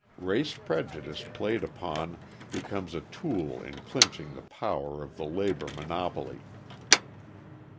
Race prejudice played upon becomes a tool in clinching the power of the labour monopoly.